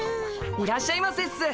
いらっしゃいませっす。